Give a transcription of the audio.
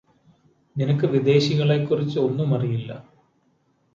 നിനക്ക് വിദേശികളെ കുറിച്ച് ഒന്നുമറിയില്ലാ